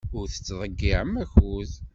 Ur tettḍeyyiɛem akud.